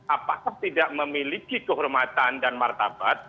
apakah tidak memiliki kehormatan dan martabat